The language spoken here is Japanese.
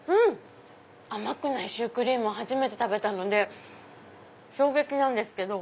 甘くないシュークリームを初めて食べたので衝撃ですけど。